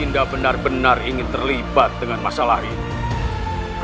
anda benar benar ingin terlibat dengan masalah ini